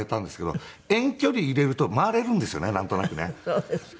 そうですか。